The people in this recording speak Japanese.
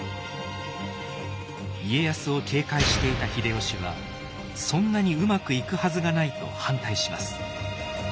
家康を警戒していた秀吉はそんなにうまくいくはずがないと反対します。